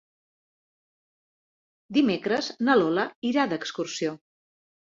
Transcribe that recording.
Dimecres na Lola irà d'excursió.